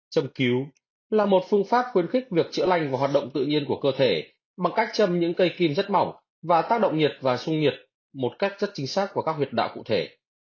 châm cứu là một phương pháp khuyến khích việc chữa lành và hoạt động tự nhiên của cơ thể bằng cách châm những cây kim rất mỏng và tác động nhiệt và sung nhiệt một cách rất chính xác và các huyệt đạo cụ thể